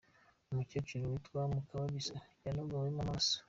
Umukecuru witwa Mukakarisa yanogowemo amaso